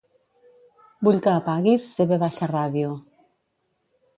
Vull que apaguis CVradio.